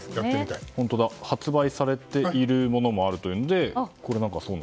発売されているものもあるということで。